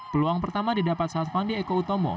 peluang pertama didapat saat fandi eko utomo